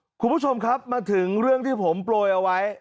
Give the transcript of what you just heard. คุณผู้ชมครับมาถึงเรื่องที่ผมโปรยเอาไว้